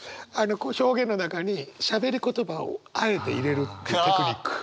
表現の中にしゃべり言葉をあえて入れるテクニック。